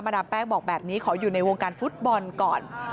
ดามแป้งบอกแบบนี้ขออยู่ในวงการฟุตบอลก่อน